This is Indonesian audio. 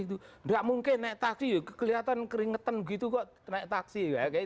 tidak mungkin naik taksi kelihatan keringetan gitu kok naik taksi